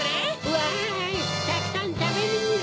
・・わいたくさんたべるにゃ！